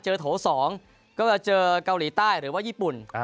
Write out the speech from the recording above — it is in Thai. เจอโถสองก็จะเจอกาหลีใต้หรือว่ายีปุ่น